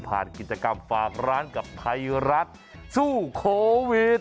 กิจกรรมฝากร้านกับไทยรัฐสู้โควิด